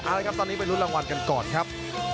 เอาละครับตอนนี้ไปรุ้นรางวัลกันก่อนครับ